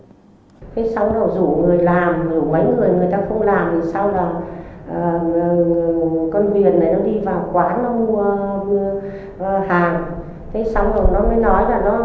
thế sau đó rủ người làm rủ mấy người người ta không làm rồi sau đó con huyền này nó đi vào quán nó mua hàng